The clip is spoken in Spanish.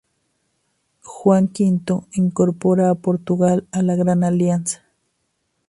Juan V incorpora a Portugal a la Gran Alianza.